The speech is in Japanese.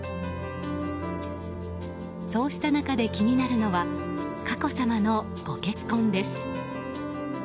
そうした中で気になるのは佳子さまのご結婚です。